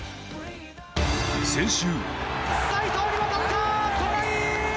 先週。